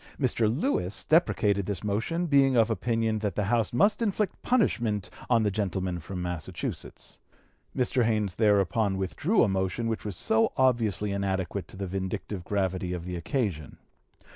Mr. Lewis deprecated this motion, being of opinion that the House must inflict punishment on the gentleman from Massachusetts. Mr. Haynes thereupon withdrew a motion which was so obviously inadequate to the vindictive gravity of the occasion.